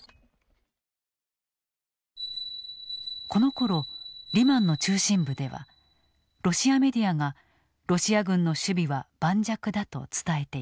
このころリマンの中心部ではロシアメディアがロシア軍の守備は盤石だと伝えていた。